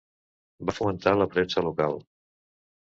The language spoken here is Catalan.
Va fomentar la premsa local